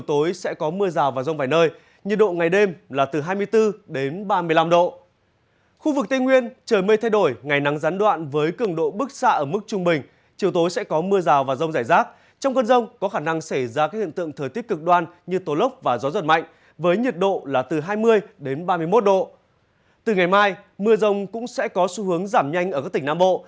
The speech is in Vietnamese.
từ ngày mai mưa rông cũng sẽ có xu hướng giảm nhanh ở các tỉnh nam bộ